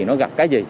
nó gặp cái gì